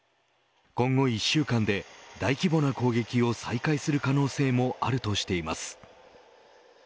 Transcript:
今後１週間で大規模な攻撃を再開する可能性もあるとしています。